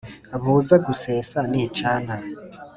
Buze gusesa nicana ».